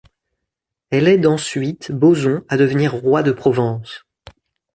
Elle aide ensuite Boson à devenir roi de Provence.